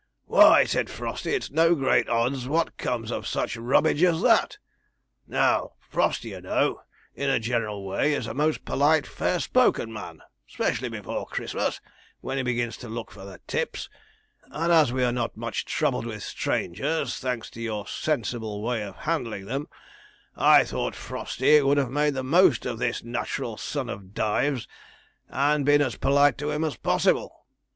"Why," said Frosty, "it's no great odds what comes of such rubbage as that." Now, Frosty, you know, in a general way, is a most polite, fair spoken man, specially before Christmas, when he begins to look for the tips; and as we are not much troubled with strangers, thanks to your sensible way of handling them, I thought Frosty would have made the most of this natural son of Dives, and been as polite to him as possible.